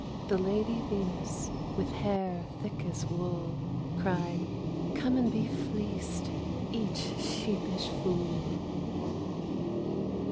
The lady Venus, with hair thick as wool. Cried, "Come and be fleeced,— each sheepish fool!"